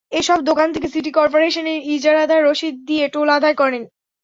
এসব দোকান থেকে সিটি করপোরেশনের ইজারাদার রসিদ দিয়ে টোল আদায় করেন।